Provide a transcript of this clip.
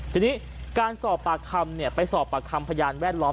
ทีนี้การสอบปากคำไปสอบปากคำพยานแวดล้อม